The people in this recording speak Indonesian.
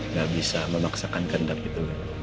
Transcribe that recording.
nggak bisa memaksakan kendak gitu